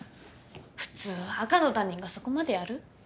普通赤の他人がそこまでやる？